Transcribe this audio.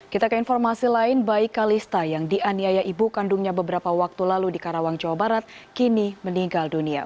kita ke informasi lain bayi kalista yang dianiaya ibu kandungnya beberapa waktu lalu di karawang jawa barat kini meninggal dunia